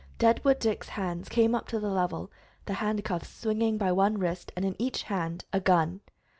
Deadwood Dick's hands came up to the level, the handcuffs swinging by one wrist, and in each hand a gun!